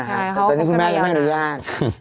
อะไร้เขาคุณแม่อย่ังไม่ให้รัก